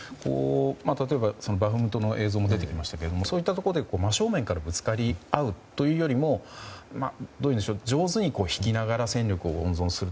例えばバフムトの映像も出てきましたけどそういったところで真正面からぶつかり合うというよりも上手に引きながら戦力を温存する。